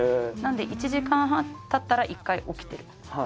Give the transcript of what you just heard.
なので１時間半経ったら１回起きてる。